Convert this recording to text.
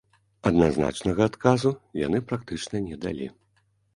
Адназначнага адказу яны практычна не далі.